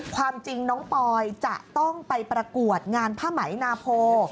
ความจริงน้องปอยจะต้องไปประกวดงานผ้าไหมนาโพ